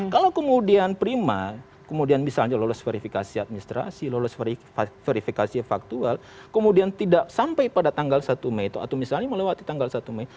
kalau kemudian prima kemudian misalnya lolos verifikasi administrasi lolos verifikasi faktual kemudian tidak sampai pada tanggal satu mei atau misalnya melewati tanggal satu mei